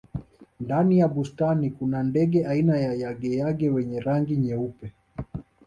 ndani ya bustani kuna ndege aina ya yangeyange wenye rangi nyeupe